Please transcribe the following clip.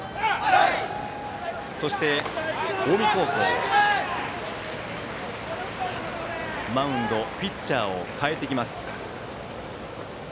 そして、近江高校はマウンド、ピッチャーを代えてきます。